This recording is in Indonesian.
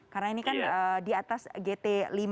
karena ini kan di atas gt lima